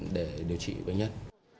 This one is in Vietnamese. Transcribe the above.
để điều trị bệnh nhân